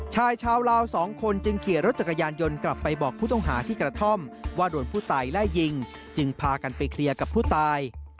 ชายชาวลาวสองคนจึงขี่รถจักรยานยนต์กลับไปบอกผู้ต้องหาที่กระท่อมว่าโดนผู้ตายไล่ยิงจึงพากันไปเคลียร์กับผู้ตาย